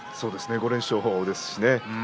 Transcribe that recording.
５連勝ですしね。